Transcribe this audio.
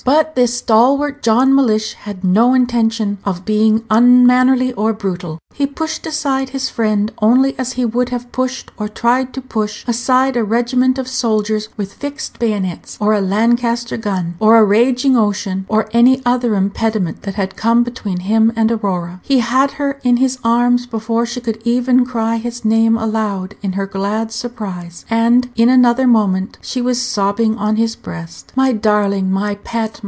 But this stalwart John Mellish had no intention of being unmannerly or brutal. He pushed aside his friend only as he would have pushed, or tried to push, aside a regiment of soldiers with fixed bayonets, or a Lancaster gun, or a raging ocean, or any other impediment that had come between him and Aurora. He had her in his arms before she could even cry his name aloud in her glad surprise, and in another moment she was sobbing on his breast. "My darling! my pet!